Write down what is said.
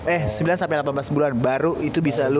eh sembilan sampai delapan belas bulan baru itu bisa lulus